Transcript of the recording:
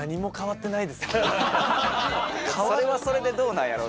それはそれでどうなんやろう。